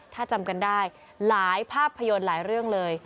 ถ้าจำกันได้หลายภาพยนตร์หลายเรื่องเลย